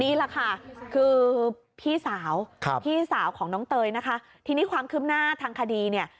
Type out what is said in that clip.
นี่แหละค่ะคือพี่สาวครับพี่สาวของน้องเตยนะคะทีนี้ความคืบหน้าทางคดีเนี่ย